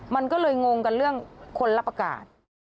มันก็เลยงงกันเรื่องคนรับประกาศ